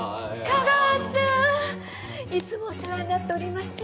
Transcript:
香川さんいつもお世話になっております。